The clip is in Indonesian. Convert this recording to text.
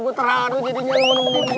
gue teraruh jadinya lu menemukan gue